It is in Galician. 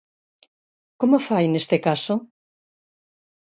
Como fai neste caso?